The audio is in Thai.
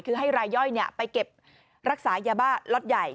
คือให้รายย่อยไปเก็บรักษายาบ้าล็อตใหญ่